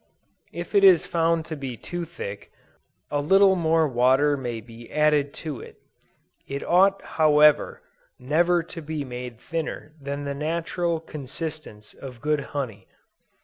If it is found to be too thick, a little more water may be added to it; it ought however, never to be made thinner than the natural consistence of good honey.